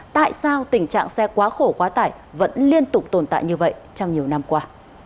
tại sao tình trạng xe quá khổ quá tải vẫn liên tục tồn tại như vậy trong nhiều năm qua